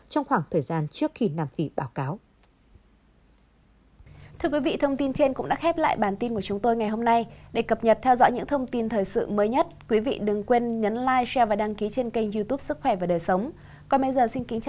trong khoảng thời gian trước khi nam phi báo cáo